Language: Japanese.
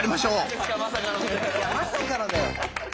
いやまさかのだよ。